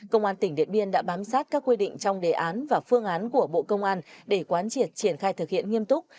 công an tỉnh điện biên đã bám sát các quy định trong đề án và phương án của bộ công an để quán triệt triển khai thực hiện nghiêm túc